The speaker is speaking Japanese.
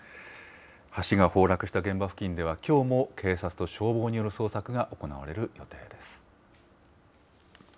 橋が崩落した現場付近では、きょうも警察と消防による捜索が行われる予定です。